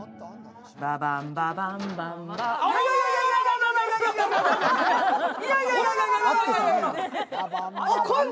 ババンババンバンバン。